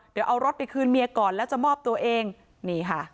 เดี๋ยวเอารถไปคืนเมียก่อนแล้วจะมอบตัวเองนี่ค่ะ